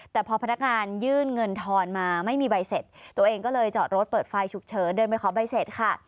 แต่พอพนักงานยื่นเงินทอนมาไม่มีใบเสร็จตัวเองก็เลยจอดรถเปิดไฟฉุกเฉินเดินไปขอใบเสร็จค่ะ